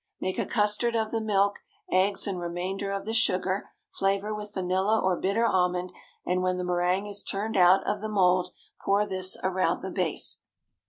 Make a custard of the milk, eggs, and remainder of the sugar, flavor with vanilla or bitter almond, and when the méringue is turned out of the mould, pour this around the base.